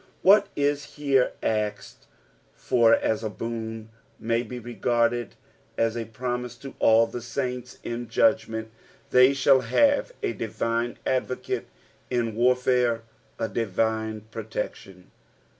What is here aakcd for as a boon, ma; be reg^^ed ns a promise to all the saints ; in judgment they shaU have a divine advocate, in warfare a divine protection.